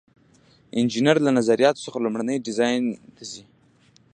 انجینر له نظریاتو څخه لومړني ډیزاین ته ځي.